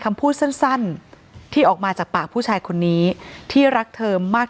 คำพูดสั้นที่ออกมาจากปากผู้ชายคนนี้ที่รักเธอมาก